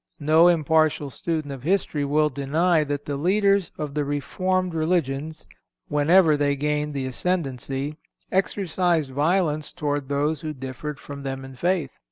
No impartial student of history will deny that the leaders of the reformed religions, whenever they gained the ascendency, exercised violence toward those who differed from them in faith.